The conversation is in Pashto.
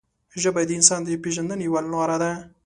ژبه د انسان د پېژندنې یوه لاره ده